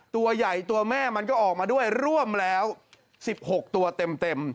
ตัวใหญ่ตัวแม่มันก็ออกมาด้วยร่วมแล้ว๑๖ตัวเต็ม